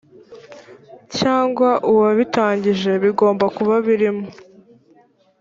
cyangwa uwayitangije bigomba kuba birimo